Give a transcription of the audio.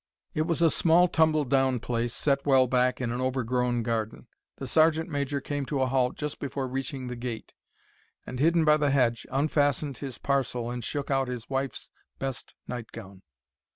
It was a small, tumble down place, set well back in an overgrown garden. The sergeant major came to a halt just before reaching the gate, and, hidden by the hedge, unfastened his parcel and shook out his wife's best nightgown.